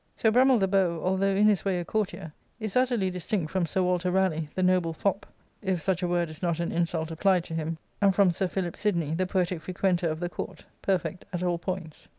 ' So Brummel the Beau, although in his way a courtier, is utterly distinct from Sir Walter Raleigh, the noble fop — if such a word is not an insult applied to him — and from Sir Philip Sidney, the poetic frequenter of the court, perfect at all points.